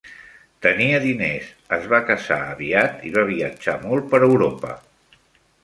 Tenia diners, es va casar aviat i va viatjar molt per Europa.